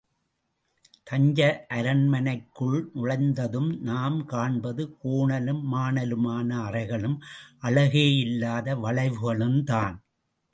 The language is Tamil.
தஞ்சை அரண்மனைக்குள் நுழைந்ததும் நாம் காண்பது கோணலும் மாணலுமான அறைகளும், அழகே இல்லாத வளைவுகளும் தான்.